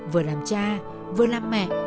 vừa làm cha vừa làm mẹ